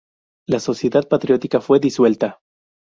La Sociedad Patriótica fue disuelta.